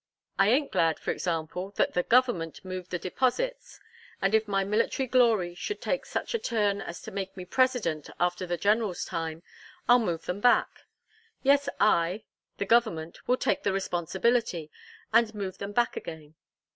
I an't glad, for example, that the "government" moved the deposites, and if my military glory should take such a turn as to make me president after the general's time, I'll move them back; yes, I, the "government," will "take the responsibility," and move them back again.